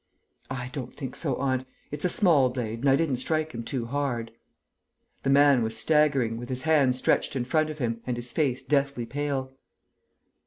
"I don't think so, aunt. It's a small blade and I didn't strike him too hard." The man was staggering, with his hands stretched in front of him and his face deathly pale.